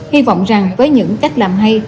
hy vọng rằng với những cách làm hay